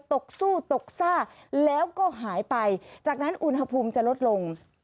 ตกสู้ตกซ่าแล้วก็หายไปจากนั้นอุณหภูมิจะลดลง